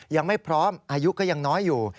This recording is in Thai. ยังไม่พร้อมอายุก็ยังน้อยอยู่